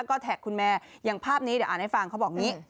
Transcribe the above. ก็แท็กคุณแม่อย่างภาพนี้เดี๋ยวอ่านให้ฟังเขาบอกอย่างนี้